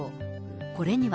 これには。